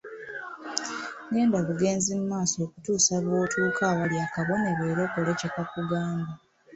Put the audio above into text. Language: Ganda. Genda bugenzi mu maaso okutuusa lw’otuuka awali akabonero era okole kye kakugamba.